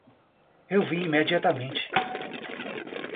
Eu vim imediatamente.